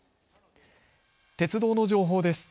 鉄道の情報です。